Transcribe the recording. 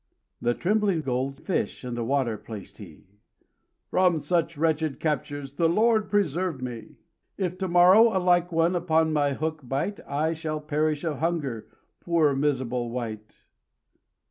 The trembling gold fish in the water placed he: "From such wretched captures the Lord preserve me! "If to morrow a like one upon my hook bite, I shall perish of hunger, poor miserable wight."